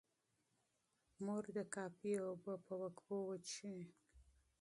مور دې کافي اوبه په وقفو وڅښي.